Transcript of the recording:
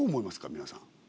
皆さん。